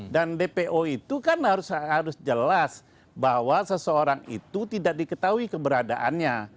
dan dpo itu kan harus jelas bahwa seseorang itu tidak diketahui keberadaannya